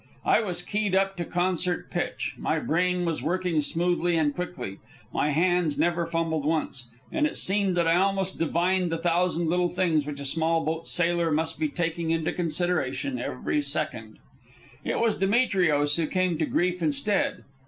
I was keyed up to concert pitch, my brain was working smoothly and quickly, my hands never fumbled once, and it seemed that I almost divined the thousand little things which a small boat sailor must be taking into consideration every second. It was Demetrios who came to grief instead.